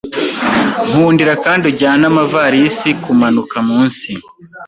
Nkundira kandi ujyane amavalisi kumanuka munsi.